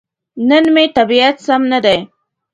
نن مې طبيعت سم ندی.